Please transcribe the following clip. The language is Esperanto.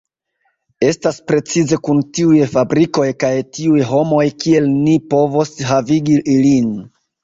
Estas precize kun tiuj fabrikoj kaj tiuj homoj kiel ni povos havigi ilin.